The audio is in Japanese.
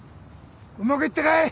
うまくいったかい？